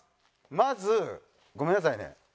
まずごめんなさいね。